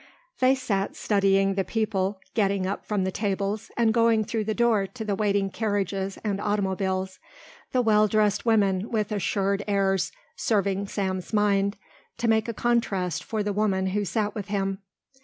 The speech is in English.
They sat studying the people getting up from the tables and going through the door to waiting carriages and automobiles, the well dressed women with assured airs serving Sam's mind to make a contrast for the woman who sat with him.